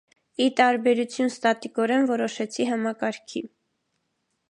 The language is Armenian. Ի տարբերություն ստատիկորեն որոշեցի համակարգի։